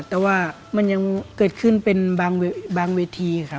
แต่ว่ามันยังเกิดขึ้นเป็นบางเวทีค่ะ